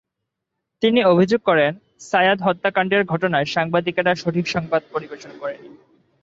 তিনি অভিযোগ করেন, সায়াদ হত্যাকাণ্ডের ঘটনায় সাংবাদিকেরা সঠিক সংবাদ পরিবেশন করেননি।